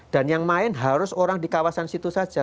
dan yang main harus orang di kawasan situ saja